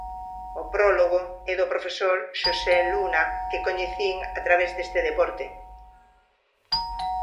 O prólogo é do profesor Xosé Luna, que coñecín a través deste deporte.